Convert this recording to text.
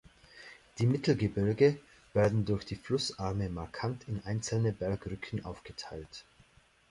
Die Mittelgebirge werden durch die Flussarme markant in einzelne Bergrücken aufgeteilt.